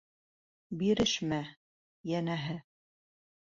Бирешмә, йәнәһе.